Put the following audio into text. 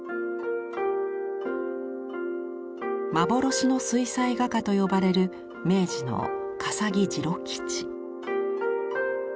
幻の水彩画家と呼ばれる明治の笠木治郎吉。